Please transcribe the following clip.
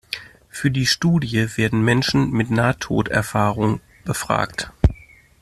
Für die Studie werden Menschen mit Nahtoderfahrung befragt.